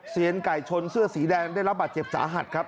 ไก่ชนเสื้อสีแดงได้รับบาดเจ็บสาหัสครับ